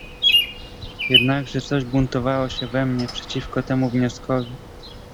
"Jednakże coś buntowało się we mnie przeciwko temu wnioskowi."